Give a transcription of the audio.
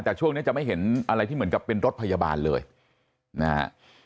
แต่ช่วงนี้จะไม่เห็นอะไรที่เหมือนกับเป็นรถพยาบาลเลยนะฮะ